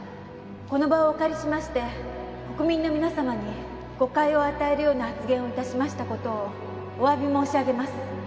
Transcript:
「この場をお借りしまして国民の皆様に誤解を与えるような発言を致しました事をお詫び申し上げます」